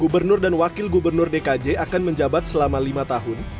gubernur dan wakil gubernur dkj akan menjabat selama lima tahun